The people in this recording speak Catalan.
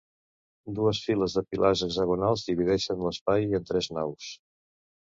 Dues files de pilars hexagonals divideixen l'espai en tres naus.